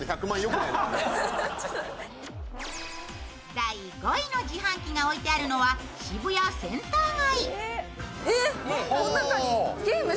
第５位の自販機が置いているのは渋谷・センター街。